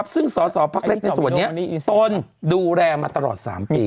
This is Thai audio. ซึ่งสอสอพักเล็กในส่วนนี้ตนดูแลมาตลอด๓ปี